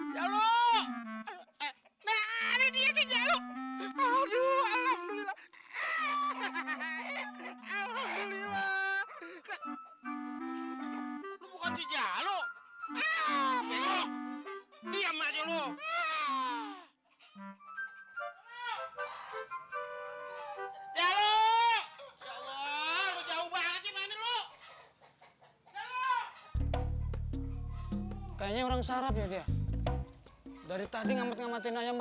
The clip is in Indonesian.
sampai jumpa di video selanjutnya